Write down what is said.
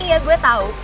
iya gue tau